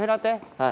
はい。